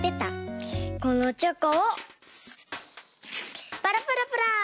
このチョコをパラパラパラ！